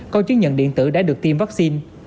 coi chứng nhận điện tử đã được tiêm vaccine